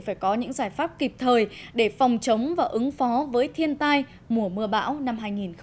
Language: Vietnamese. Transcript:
phải có những giải pháp kịp thời để phòng chống và ứng phó với thiên tai mùa mưa bão năm hai nghìn hai mươi